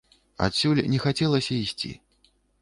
Адсюль не хацелася ісці.